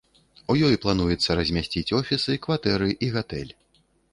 У ёй плануецца размясціць офісы, кватэры і гатэль.